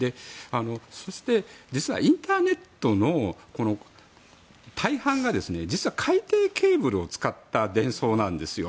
そして、実はインターネットの大半が実は海底ケーブルを使った伝送なんですよ。